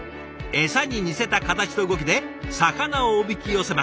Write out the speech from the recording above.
餌に似せた形と動きで魚をおびき寄せます。